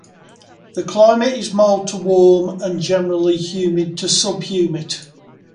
The climate is mild to warm and generally humid to sub-humid.